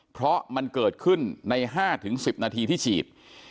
เพราะมันเกิดขึ้นใน๕๑๐นาทีที่ฉีด